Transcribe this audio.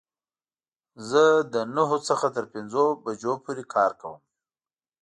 زه له نهو څخه تر پنځو بجو پوری کار کوم